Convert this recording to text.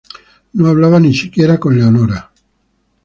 No hablaba ni siquiera con Leonora.